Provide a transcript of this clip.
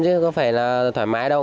chứ có phải là thoải mái đâu